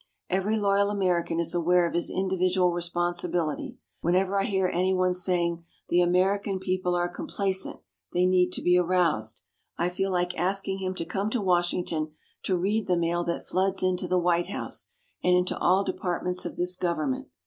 Every loyal American is aware of his individual responsibility. Whenever I hear anyone saying "The American people are complacent they need to be aroused," I feel like asking him to come to Washington to read the mail that floods into the White House and into all departments of this government.